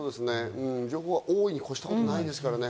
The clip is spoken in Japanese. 情報は多いに越したことはないですからね。